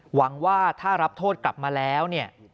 หวังว่าถ้ารับโทษกลับมาแล้วเนี่ย